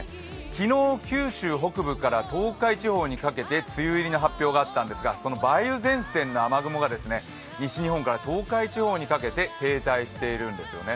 昨日、九州北部から東海地方にかけて梅雨入りの発表があったんですが、その梅雨前線の雨雲が西日本から東海地方にかけて停滞しているんですよね。